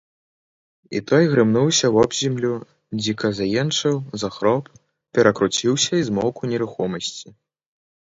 І той грымнуўся вобземлю, дзіка заенчыў, захроп, перакруціўся і змоўк у нерухомасці.